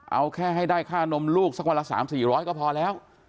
เอาแค่ให้ได้ค่านมลูกสักวันละ๓๔๐๐ก็พอแล้ว